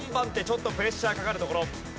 ちょっとプレッシャーかかるところ。